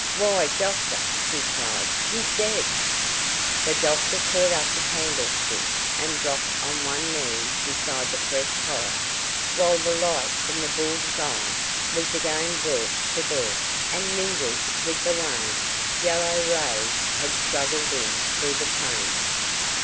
"Why, doctor!" he cried, "he's dead." The doctor caught up a candlestick and dropped on one knee beside the fresh horror, while the light from the bull's eye was again brought to bear, and mingled with the wan, yellow rays that struggled in through the panes.